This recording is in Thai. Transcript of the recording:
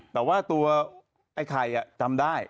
แต่ว่าตัวไอ้ไข่จำได้